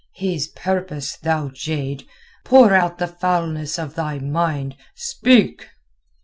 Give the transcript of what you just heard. "His purpose, thou jade! Pour out the foulness of thy mind. Speak!"